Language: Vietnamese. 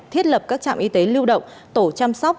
thiết lập các trạm y tế lưu động tổ chăm sóc